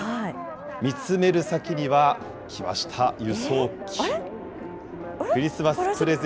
見つめる先には、来ました、あれ？